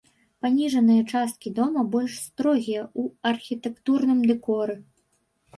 Паніжаныя часткі дома больш строгія ў архітэктурным дэкоры.